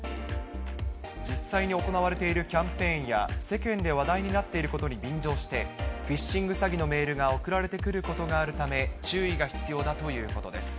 実際に行われているキャンペーンや世間で話題になっていることに便乗して、フィッシング詐欺のメールが送られてくることがあるため、注意が必要だということです。